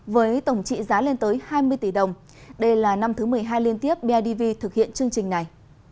với tổng trị giá lên tới hai mươi tỷ đồng đây là năm thứ một mươi hai liên tiếp bidv thực hiện chương trình này